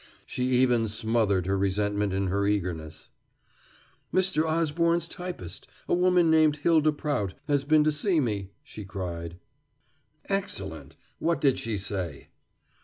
She even smothered her resentment in her eagerness. "Mr. Osborne's typist, a woman named Hylda Prout, has been to see me," she cried. "Excellent! What did she say?"